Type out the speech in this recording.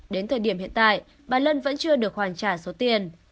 đến thời điểm hiện tại bà lân vẫn chưa được hoàn trả số tiền